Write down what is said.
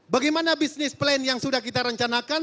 bagaimana bisnis plan yang sudah kita rencanakan